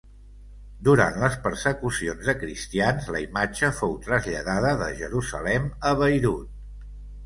Durant les persecucions de cristians la imatge fou traslladada de Jerusalem a Beirut.